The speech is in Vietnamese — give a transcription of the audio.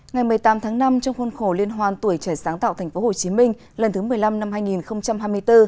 ngày một mươi tám tháng năm trong khuôn khổ liên hoan tuổi trẻ sáng tạo tp hcm lần thứ một mươi năm năm hai nghìn hai mươi bốn